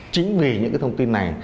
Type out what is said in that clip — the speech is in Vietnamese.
chính vì những cái thông tin này